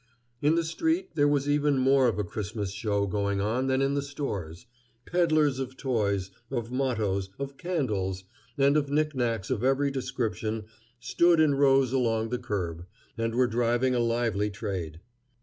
In the street there was even more of a Christmas show going on than in the stores. Peddlers of toys, of mottos, of candles, and of knickknacks of every description stood in rows along the curb, and were driving a lively trade.